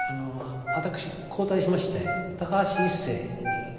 私交代しまして高橋一生に代わります。